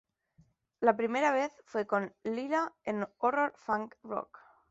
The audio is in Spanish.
La primera vez fue con Leela en "Horror of Fang Rock".